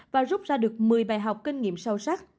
và rút ra được một mươi bài học kinh nghiệm sâu sắc